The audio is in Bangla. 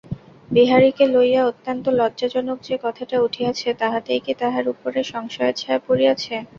বিহারীকে লইয়া অত্যন্ত লজ্জাজনক যে-কথাটা উঠিয়াছে, তাহাতেই কি তাহার উপরে সংশয়ের ছায়া পড়িয়াছে।